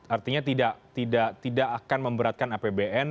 artinya tidak akan memberatkan apbn